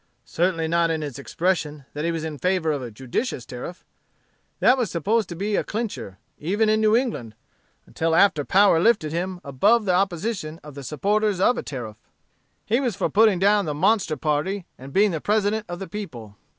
Certainly not in his expression that he was in favor of a judicious tariff. That was supposed to be a clincher, even in New England, until after power lifted him above the opposition of the supporters of a tariff. "He was for putting down the monster 'party,' and being the President of the people.